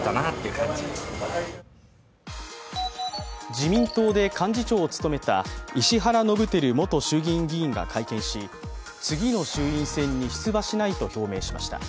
自民党で幹事長を務めた石原伸晃元衆議院議員が会見し、次の衆院選に出馬しないと表明しました。